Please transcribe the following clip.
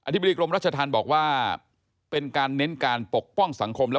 ธิบดีกรมรัชธรรมบอกว่าเป็นการเน้นการปกป้องสังคมและ